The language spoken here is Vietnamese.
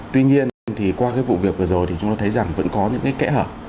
tuy nhiên thì qua cái vụ việc vừa rồi thì chúng ta thấy rằng vẫn có những cái kẽ hở